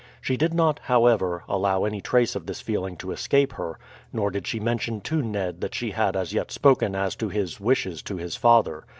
She did not, however, allow any trace of this feeling to escape her, nor did she mention to Ned that she had as yet spoken as to his wishes to his father.